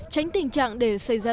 tránh tình trạng để xây ra vấn đề